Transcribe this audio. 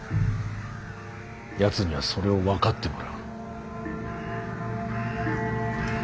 やつにはそれを分かってもらう。